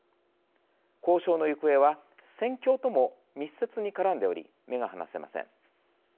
交渉の行方は戦況とも密接に絡んでおり目が離せません。